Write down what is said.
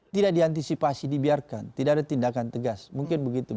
tidak diantisipasi dibiarkan tidak ada tindakan tegas mungkin begitu